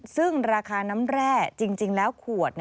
ซึ่งราคาน้ำแร่จริงแล้วขวด